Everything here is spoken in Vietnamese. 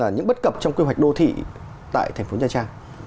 những bất cập trong quy hoạch đô thị tại thành phố nha trang